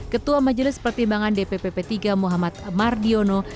ketua majelis pertimbangan dpp p tiga muhammad mardiono